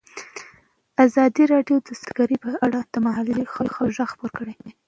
ازادي راډیو د سوداګري په اړه د محلي خلکو غږ خپور کړی.